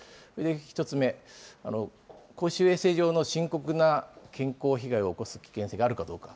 １つ目、公衆衛生上の深刻な健康被害を起こす危険性があるかどうか。